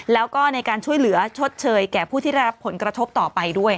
แล้วก็ในการช่วยเหลือชดเชยแก่ผู้ที่ได้รับผลกระทบต่อไปด้วย